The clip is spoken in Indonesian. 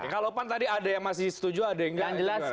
kalau pan tadi ada yang masih setuju ada yang nggak jelas